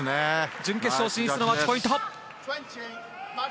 準決勝進出のマッチポイント！